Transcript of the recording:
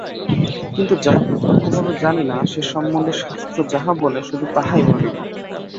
কিন্তু যাহা প্রত্যক্ষভাবে জানি না, সে সম্বন্ধে শাস্ত্র যাহা বলে শুধু তাহাই বলিব।